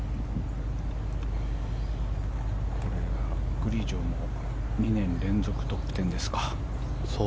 グリジョも２年連続トップ１０ですか。